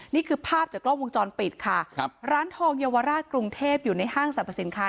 นี่คือภาพจากกล้องวงจรปิดค่ะครับร้านทองเยาวราชกรุงเทพอยู่ในห้างสรรพสินค้า